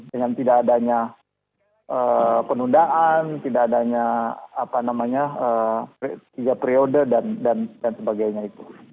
dengan tidak adanya penundaan tidak adanya tiga periode dan sebagainya itu